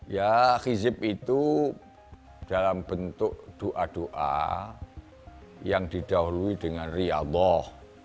ya khizib itu dalam bentuk doa doa yang didahului dengan riyallah